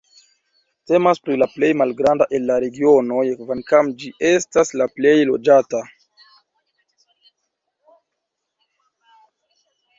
Temas pri la plej malgranda el la regionoj kvankam ĝi estas la plej loĝata.